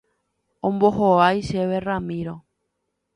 Ombohovái chéve Ramiro.